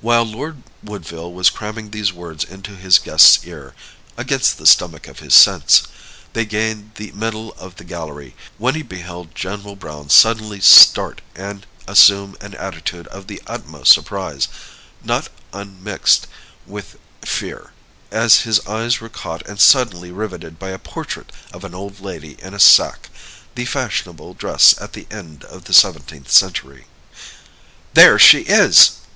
While Lord Woodville was cramming these words into his guest's ear, "against the stomach of his sense," they gained the middle of the gallery, when he beheld General Browne suddenly start and assume an attitude of the utmost surprise, not unmixed with fear, as his eyes were caught and suddenly riveted by a portrait of an old lady in a sacque, the fashionable dress at the end of the seventeenth century. "There she is!"